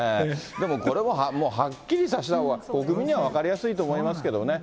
でもこれもはっきりさせたほうが国民には分かりやすいと思いますけどね。